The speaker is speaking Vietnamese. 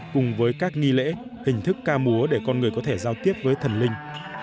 cùng với các nghi lễ hình thức ca múa để con người có thể giao tiếp với thần linh